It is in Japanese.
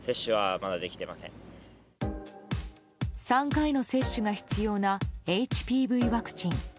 ３回の接種が必要なＨＰＶワクチン。